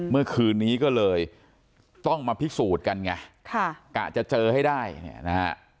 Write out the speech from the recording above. เมื่อคืนนี้ก็เลยต้องมาพิสูจน์กันไงกะจะเจอให้ได้เนี่ยนะฮะ